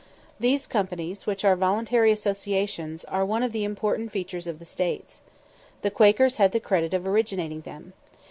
These companies, which are voluntary associations, are one of the important features of the States. The Quakers had the credit of originating them.